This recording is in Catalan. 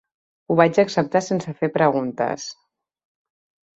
Ho vaig acceptar sense fer preguntes.